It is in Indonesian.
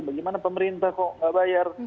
bagaimana pemerintah kok nggak bayar